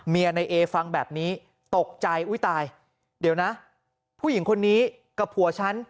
ในเอฟังแบบนี้ตกใจอุ้ยตายเดี๋ยวนะผู้หญิงคนนี้กับผัวฉัน